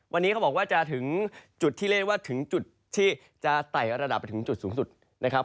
วันนี้เขาบอกว่าจะถึงจุดที่เรียกว่าจะไตรการระดับถึงจุดสูงสุดนะครับ